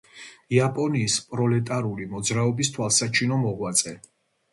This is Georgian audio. იაპონიის პროლეტარული მოძრაობის თვალსაჩინო მოღვაწე.